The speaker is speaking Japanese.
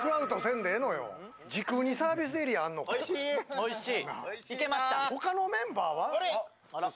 おいしい。